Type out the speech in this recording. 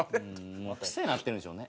癖になってるんでしょうね。